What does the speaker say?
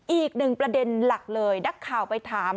อีกหนึ่งประเด็นหลักเลยนักข่าวไปถาม